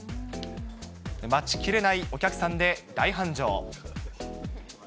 待ちきれないお客さんで大繁盛。